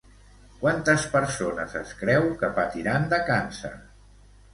Quantes persones es creu que patiran de càncer?